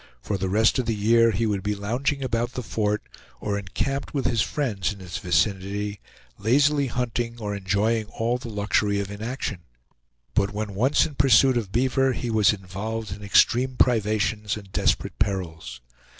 For the rest of the year he would be lounging about the fort, or encamped with his friends in its vicinity, lazily hunting or enjoying all the luxury of inaction; but when once in pursuit of beaver, he was involved in extreme privations and desperate perils.